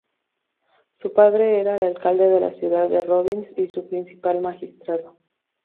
Su padre era el alcalde de la ciudad de Robbins y su principal magistrado.